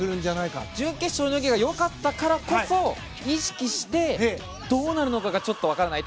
準決勝の泳ぎが良かったからこそ意識してどうなるのかちょっと分からない。